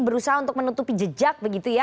berusaha untuk menutupi jejak